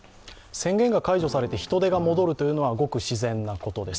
宣言が解除されて人出が戻るのはごく自然なことです。